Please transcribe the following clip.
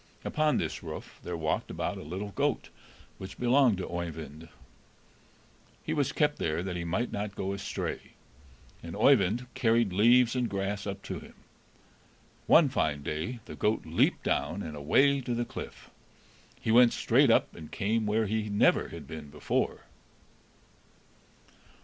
Upon this roof there walked about a little goat, which belonged to Oeyvind. He was kept there that he might not go astray; and Oeyvind carried leaves and grass up to him. One fine day the goat leaped down, and away to the cliff; he went straight up, and came where he never had been before.